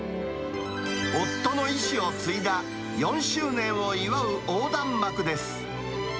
夫の遺志を継いだ４周年を祝う横断幕です。